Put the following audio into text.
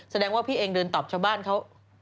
แสดงว่าพี่เองเดินตอบชาวบ้านเขา